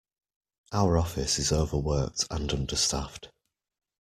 Our office is overworked and understaffed.